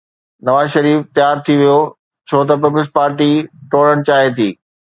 نواز شريف تيار ٿي ويو ڇو ته پيپلزپارٽي ٽوڙڻ چاهي ٿي.